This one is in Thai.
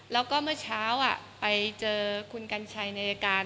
แล้วก็เมื่อเช้าไปเจอคุณกัญชัยในรายการ